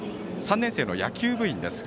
３年生の野球部員です。